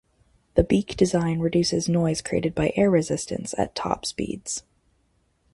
The beak design reduces noise created by air resistance at top speeds.